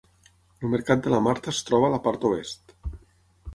El mercat de la Marta es troba a la part oest.